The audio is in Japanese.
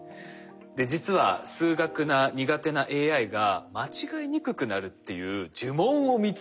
実は数学が苦手なＡＩが間違いにくくなるっていう呪文を見つけました。